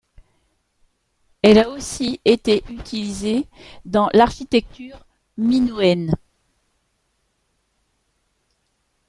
Elle a aussi été utilisée dans l'architecture minoénne.